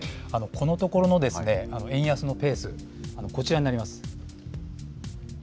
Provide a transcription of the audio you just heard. このところの円安のペース、こちらになります。